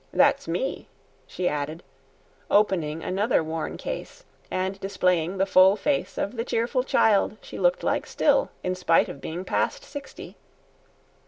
That's me," she added, opening another worn case, and displaying the full face of the cheerful child she looked like still in spite of being past sixty.